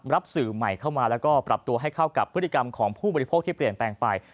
รับสื่อใหม่เข้ามาแล้วก็ปรับตัวให้เข้ากับพฤติกรรมของผู้บริโภคที่เปลี่ยนแปลงไป